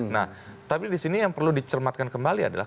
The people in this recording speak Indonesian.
nah tapi di sini yang perlu dicermatkan kembali adalah